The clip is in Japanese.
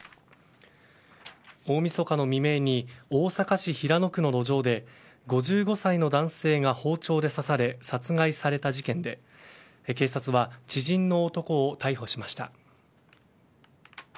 大みそかの未明に大阪市平野区の路上で５５歳の男性が包丁で刺され、殺害された事件で警察は知人の男を逮捕しました。